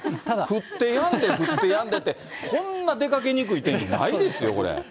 降ってやんで、降ってやんでって、こんな出かけにくい天気ないですよ、これ。